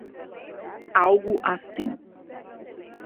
Algo assim